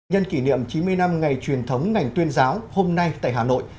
nhân kỷ niệm chín mươi năm ngày truyền thống ngành tuyên giáo hôm nay tại hà nội